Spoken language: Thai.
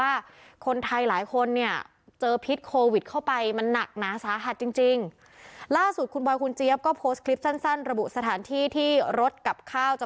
อาทิตย์ได้ไปชมดูตรงนี้นะฮะ